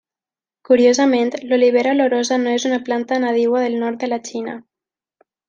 Curiosament, l'olivera olorosa no és una planta nadiua del nord de la Xina.